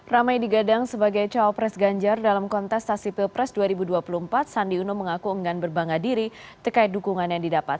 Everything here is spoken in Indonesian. ramai digadang sebagai cawapres ganjar dalam kontestasi pilpres dua ribu dua puluh empat sandi uno mengaku enggan berbangga diri terkait dukungan yang didapat